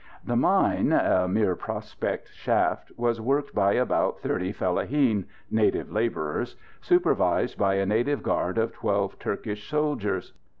The mine a mere prospect shaft was worked by about thirty fellaheen native labourers supervised by a native guard of twelve Turkish soldiers.